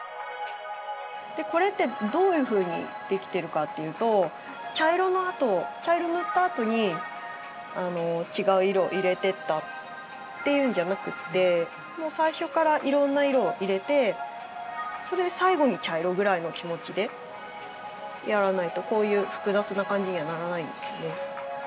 これってどういうふうにできてるかっていうと茶色塗ったあとに違う色を入れてったっていうんじゃなくって最初からいろんな色を入れて最後に茶色ぐらいの気持ちでやらないとこういう複雑な感じにはならないんですよね。